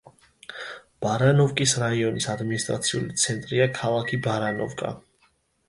ბარანოვკის რაიონის ადმინისტრაციული ცენტრია ქალაქი ბარანოვკა.